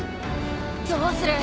どうする？